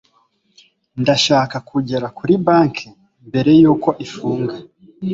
Ndashaka kugera kuri banki mbere yuko ifunga